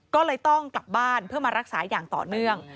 ก็เลยต้องกลับบ้านเพื่อมารักษาอย่างต่อเนื่อง